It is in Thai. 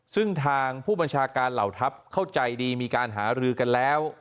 ซึ่งทางผู้บัญชาการเหล่าทัพเข้าใจดีมีการหารือกันแล้ว